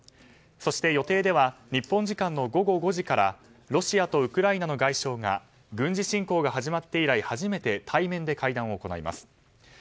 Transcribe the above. そして予定では日本時間の午後５時からロシアとウクライナの外相が軍事侵攻が始まって以来初めて対面で会談を行います。